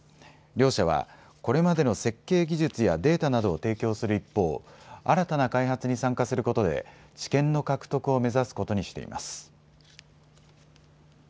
両者はこれまでの設計技術やデータなどを提供する一方、新たな開発に参加することで知見の獲得を目指すことにしています。